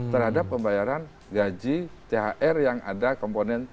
terhadap pembayaran gaji thr yang ada komponen